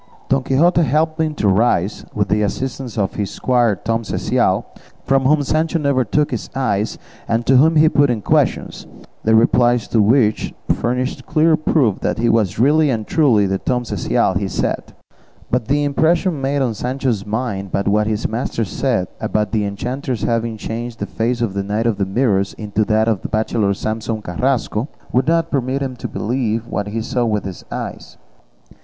Don Quixote helped him to rise, with the assistance of his squire Tom Cecial; from whom Sancho never took his eyes, and to whom he put questions, the replies to which furnished clear proof that he was really and truly the Tom Cecial he said; but the impression made on Sancho's mind by what his master said about the enchanters having changed the face of the Knight of the Mirrors into that of the bachelor Samson Carrasco, would not permit him to believe what he saw with his eyes.